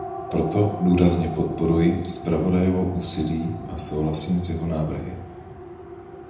Proto důrazně podporuji zpravodajovo úsilí a souhlasím s jeho návrhy.